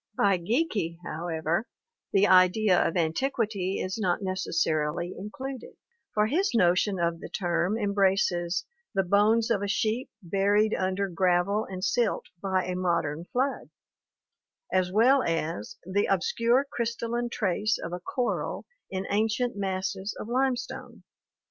By Geikie, however, the idea of antiquity is not necessarily included, for his notion of the term embraces "the bones of a sheep buried under gravel and silt by a modern flood," as well as "the obscure crystalline trace of a coral in ancient masses of limestone."